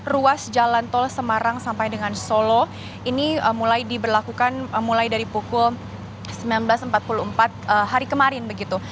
ruas jalan tol semarang sampai dengan solo ini mulai diberlakukan mulai dari pukul sembilan belas empat puluh empat hari kemarin begitu